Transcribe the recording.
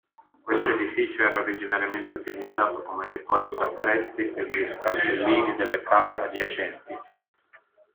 Questo edificio era originariamente utilizzato come deposito attrezzi per gli scalpellini delle cave adiacenti.